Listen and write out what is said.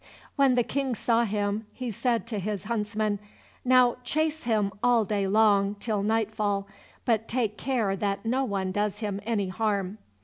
When the King saw him, he said to his huntsmen, "Now chase him all day long till night fall, but take care that no one does him any harm."